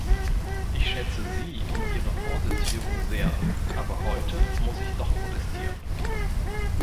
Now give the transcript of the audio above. Ich schätze Sie und Ihre Vorsitzführung sehr, aber heute muss ich doch protestieren.